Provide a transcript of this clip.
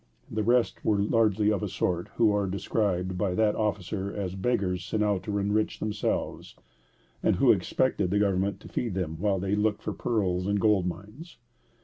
The rest were largely of the sort who are described by that officer as "beggars sent out to enrich themselves," and who expected the government to feed them while they looked for pearls and gold mines.